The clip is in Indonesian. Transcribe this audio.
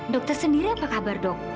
dokter sendiri apa kabar dok